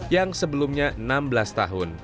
yang sebelumnya enam belas tahun